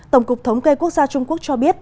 tổng cục thống kê quốc gia trung quốc cho biết